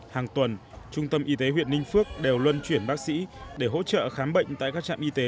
hàng tuần trung tâm y tế huyện ninh phước đều luân chuyển bác sĩ để hỗ trợ khám bệnh tại các trạm y tế